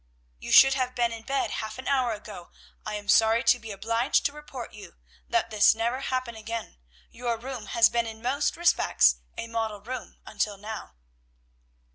"You should have been in bed half an hour ago; I am sorry to be obliged to report you. Let this never happen again. Your room has been in most respects a model room until now."